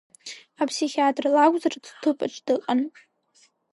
Аԥсихиатр лакәзар лҭыԥаҿ дыҟан.